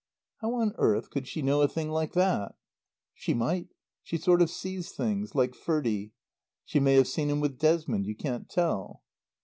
"How on earth could she know a thing like that?" "She might. She sort of sees things like Ferdie. She may have seen him with Desmond. You can't tell."